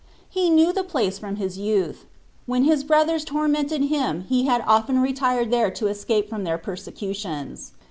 He knew the place from his youth : when his brothers tormented him he had often retired there to es cape from their persecutions.